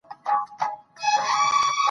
غوږونه دې اوري هغه د بر کلي عمر يادوې.